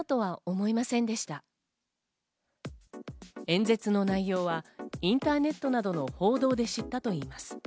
演説の内容はインターネットなどの報道で知ったといいます。